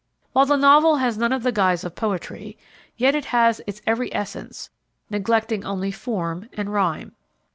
While the Novel has none of the guise of poetry, yet it has its every essence, neglecting only form and rhyme.